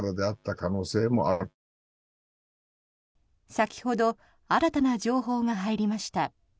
先ほど新たな情報が入りました。